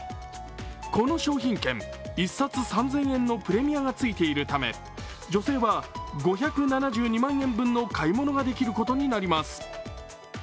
この商品券１冊３０００円のプレミアがついているため、女性は５７２万円分の買い物ができることになります。